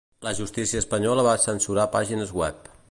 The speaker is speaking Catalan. La justícia espanyola va censurar pàgines web